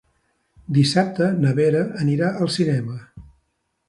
Dissabte na Vera anirà al cinema.